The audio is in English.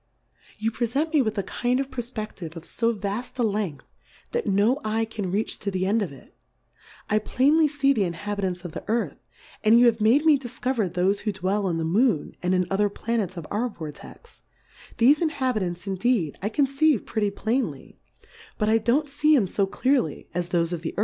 You prefent me with a kind of Per fpe9:ive of fo vafl: a Length, that no Eye can reach to the End of it : I plain ly fee the Inhabitants of the Earth, and you have made me difcover thofe who dwell in the Moon, and in other Pla nets of our Vortex ; thefe Inhabitants indeed I conceive pretty plainly, but I don't fee 'em fo clearly as thofe of the Earth